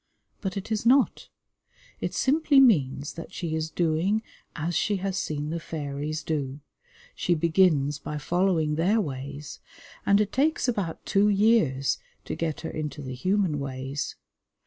But it is not; it simply means that she is doing as she has seen the fairies do; she begins by following their ways, and it takes about two years to get her into the human ways.